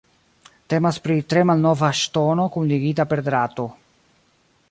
Temas pri tre malnova ŝtono kunligita per drato.